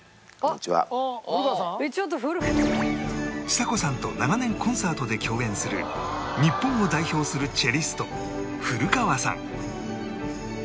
ちさ子さんと長年コンサートで共演する日本を代表するチェリスト古川さん